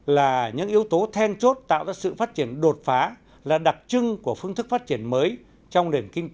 là những yếu tố then chốt tạo ra sự phát triển đột phá là đặc trưng của phương thức phát triển mới